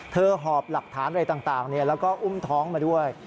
หอบหลักฐานอะไรต่างแล้วก็อุ้มท้องมาด้วย